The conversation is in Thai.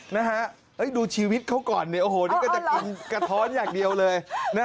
นะฮะดูชีวิตเขาก่อนเนี่ยโอ้โหนี่ก็จะกินกระท้อนอย่างเดียวเลย